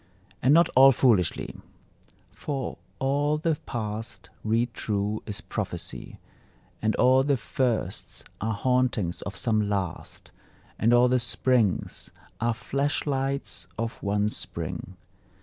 And not all foolishly: For all the past, read true, is prophecy, And all the firsts are hauntings of some Last, And all the springs are flash lights of one Spring.